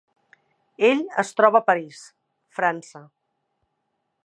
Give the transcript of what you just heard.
Ell es troba a París, França.